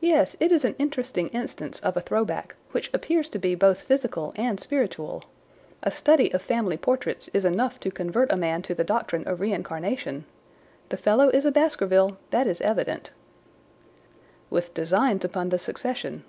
"Yes, it is an interesting instance of a throwback, which appears to be both physical and spiritual. A study of family portraits is enough to convert a man to the doctrine of reincarnation. The fellow is a Baskerville—that is evident." "With designs upon the succession."